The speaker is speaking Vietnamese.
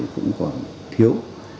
cũng còn thiếu